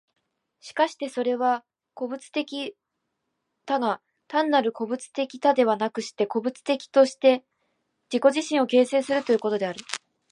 しかしてそれは個物的多が、単なる個物的多ではなくして、個物的として自己自身を形成するということである。